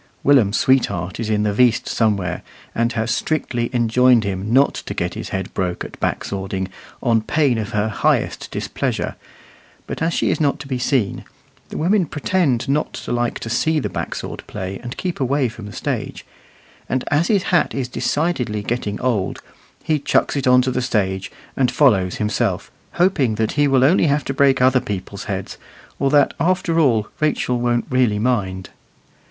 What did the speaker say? Willum's sweetheart is in the "veast" somewhere, and has strictly enjoined him not to get his head broke at back swording, on pain of her highest displeasure; but as she is not to be seen (the women pretend not to like to see the backsword play, and keep away from the stage), and as his hat is decidedly getting old, he chucks it on to the stage, and follows himself, hoping that he will only have to break other people's heads, or that, after all, Rachel won't really mind.